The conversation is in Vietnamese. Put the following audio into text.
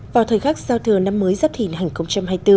vào thời khắc giao thừa năm mới giáp thìn hành công châm hai mươi bốn